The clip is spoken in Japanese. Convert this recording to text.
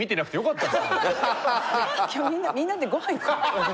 今日みんなでごはん行こう。